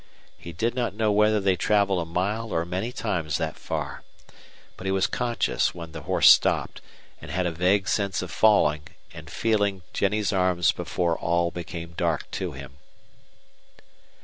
He did not know whether they traveled a mile or many times that far. But he was conscious when the horse stopped, and had a vague sense of falling and feeling Jennie's arms before all became dark to him.